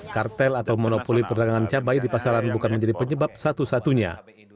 kartel atau monopoli perdagangan cabai di pasaran bukan menjadi penyebab satu satunya